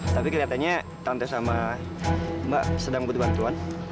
tapi kelihatannya tante sama mbak sedang butuh bantuan